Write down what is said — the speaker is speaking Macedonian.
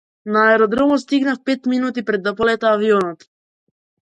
На аеродромот стигнав пет минути пред да полета авионот.